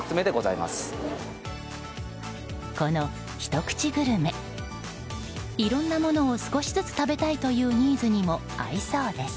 いろんなものを少しずつ食べたいというニーズにも合いそうです。